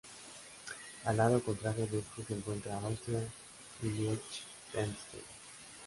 Al lado contrario de este se encuentran Austria y Liechtenstein.